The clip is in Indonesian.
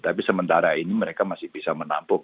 tapi sementara ini mereka masih bisa menampung